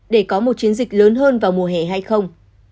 để có một chiến dịch lớn hơn vào mùa hè hay không